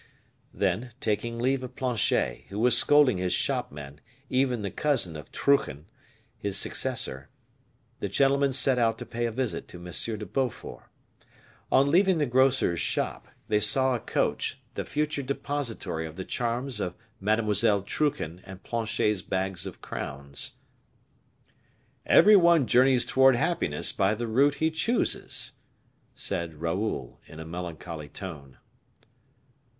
Then, taking leave of Planchet, who was scolding his shopmen, even the cousin of Truchen, his successor, the gentlemen set out to pay a visit to M. de Beaufort. On leaving the grocer's shop, they saw a coach, the future depository of the charms of Mademoiselle Truchen and Planchet's bags of crowns. "Every one journeys towards happiness by the route he chooses," said Raoul, in a melancholy tone.